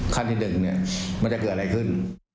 ขั้นที่๑มันจะเกิดอะไรขึ้น